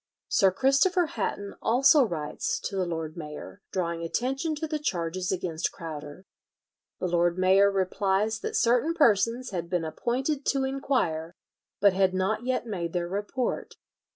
Sir Christopher Hatton also writes to the lord mayor, drawing attention to the charges against Crowder. The lord mayor replies that certain persons had been appointed to inquire, but had not yet made their report.